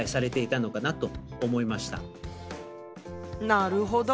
なるほど。